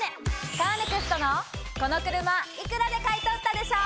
カーネクストのこの車幾らで買い取ったでしょ！